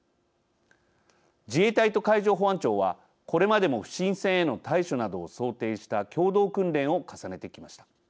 自衛隊と海上保安庁はこれまでも不審船への対処などを想定した共同訓練を重ねてきました。